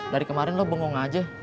dari kemarin lo bengong aja